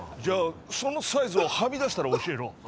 じゃあそのサイズをはみ出したら教えろ。